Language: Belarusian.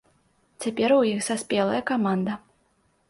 Цяпер у іх саспелая каманда.